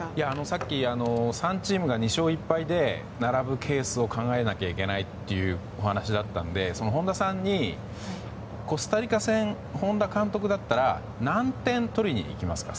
さっき、３チームが２勝１敗で並ぶケースを考えなきゃいけないということで本田さんにコスタリカ戦本田監督だったら何点取りに行きますか？